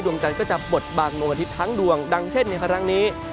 จันทร์ก็จะบดบางดวงอาทิตย์ทั้งดวงดังเช่นในครั้งนี้